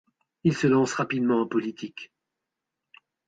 Il se lance rapidement en politique.